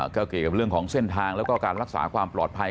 ก็เกี่ยวกับเรื่องของเส้นทางแล้วก็การรักษาความปลอดภัย